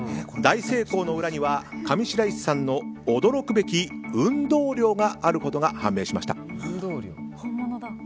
大成功の裏には上白石さんの驚くべき運動量があることが判明しました。